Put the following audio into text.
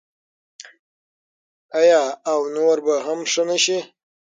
آیا او نور به هم ښه نشي؟